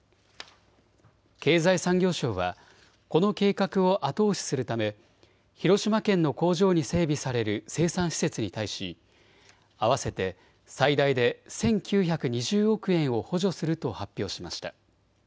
経済産業省はこの計画を後押しするため広島県の工場に整備される生産施設に対し合わせて最大で１９２０億円を補助すると発表しました。